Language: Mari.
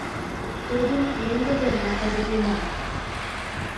— Тудым пеҥгыдын наказатлыман.